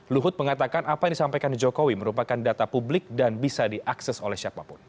luhut mengatakan apa yang disampaikan jokowi merupakan data publik dan bisa diakses oleh siapapun